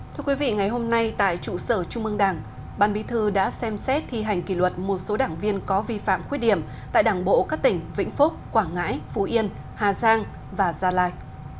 thưa quý vị ngày hôm nay tại trụ sở trung mương đảng ban bí thư đã xem xét thi hành kỷ luật một số đảng viên có vi phạm khuyết điểm tại đảng bộ các tỉnh vĩnh phúc quảng ngãi phú yên hà giang và gia lai